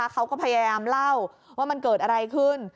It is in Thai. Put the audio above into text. เขาก็พยายามเล่าว่ามันเกิดอะไรขึ้น